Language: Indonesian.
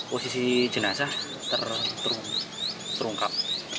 posisi jenazah terungkap